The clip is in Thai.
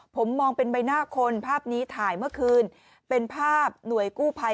ผมมองเป็นใบหน้าคนภาพนี้ถ่ายเมื่อคืนเป็นภาพหน่วยกู้ภัย